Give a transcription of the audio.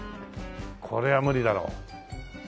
これは無理だろ。